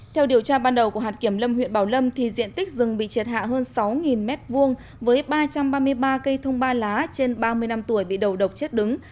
theo điều tra ban đầu của hạt kiểm lâm huyện bảo lâm diện tích rừng bị triệt hạ hơn sáu m hai với ba trăm ba mươi ba cây thông ba lá trên ba mươi năm tuổi bị đầu độc chết đứng